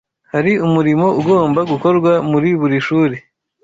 Hari umurimo ugomba gukorwa muri buri shuri